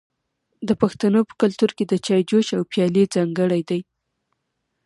د پښتنو په کلتور کې د چای جوش او پیالې ځانګړي دي.